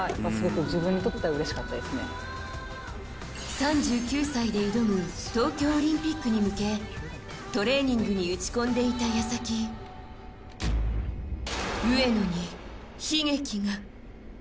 ３９歳で挑む東京オリンピックに向けトレーニングに打ち込んでいた矢先上野に悲劇が。